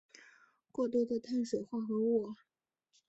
过多的碳水化合物